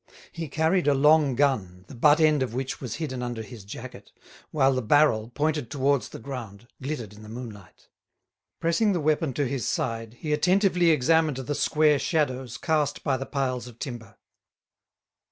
He carried a long gun, the butt end of which was hidden under his jacket, while the barrel, pointed towards the ground, glittered in the moonlight. Pressing the weapon to his side, he attentively examined the square shadows cast by the piles of timber.